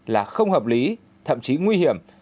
là không hợp lý thậm chí nguy hiểm